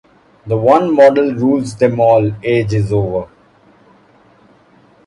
The one model rules them all age is over.